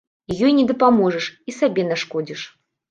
І ёй не дапаможаш, і сабе нашкодзіш.